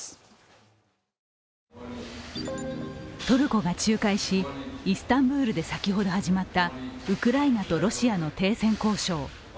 トルコが仲介し、イスタンブールで先ほど始まったウクライナとロシアの停戦交渉。